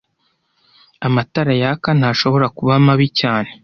Amatara yaka ntashobora kuba mabi cyane